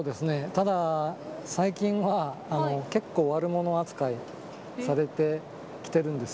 ただ、最近は、結構、悪者扱いされてきてるんです。